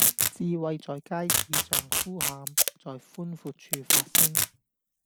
智慧在街市上呼喊，在寬闊處發聲